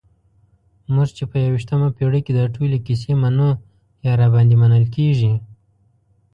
موږ چې په یویشتمه پېړۍ کې دا ټولې کیسې منو یا راباندې منل کېږي.